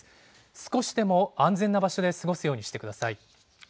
少しでも安全な場所で過ごすようにしてください。